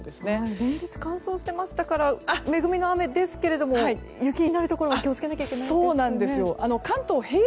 連日乾燥してましたから恵みの雨ですけど雪になるところは気を付けないといけないですね。